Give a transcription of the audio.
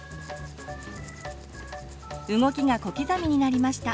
動きが小刻みになりました。